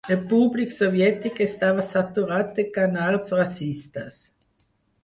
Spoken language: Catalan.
El públic soviètic estava saturat de canards racistes.